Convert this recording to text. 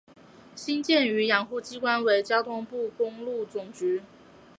新建与养护机关为交通部公路总局。